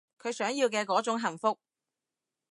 佢想要嘅嗰種幸福